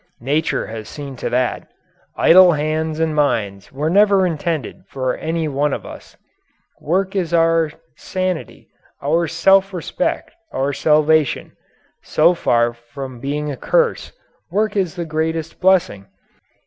Nature has seen to that. Idle hands and minds were never intended for any one of us. Work is our sanity, our self respect, our salvation. So far from being a curse, work is the greatest blessing.